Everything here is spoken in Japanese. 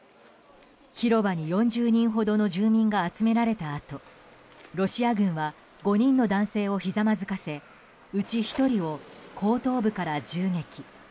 広場に４０人ほどの住民が集められたあとロシア軍は５人の男性をひざまずかせうち１人を後頭部から銃撃。